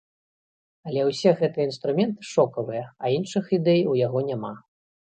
Але ўсе гэтыя інструменты шокавыя, а іншых ідэй у яго няма.